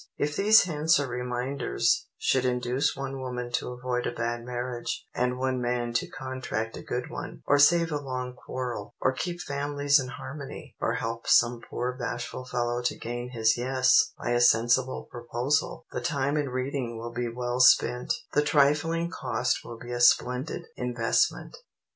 If these hints or reminders should induce one woman to avoid a bad marriage, and one man to contract a good one, or save a long quarrel, or keep families in harmony, or help some poor bashful fellow to gain his Yes by a sensible proposal, the time in reading will be well spent, the trifling cost will be a splendid investment.